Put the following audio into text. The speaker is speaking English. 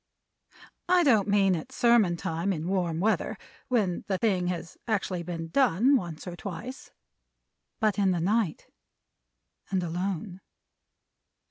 I don't mean at sermon time in warm weather (when the thing has actually been done, once or twice), but in the night, and alone.